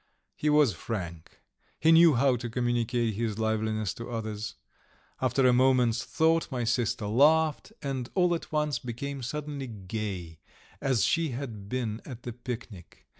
He was frank, and knew how to communicate his liveliness to others. After a moment's thought, my sister laughed, and all at once became suddenly gay as she had been at the picnic.